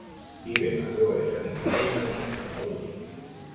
Vive en la Cueva de San Ignacio en Manresa, Cataluña.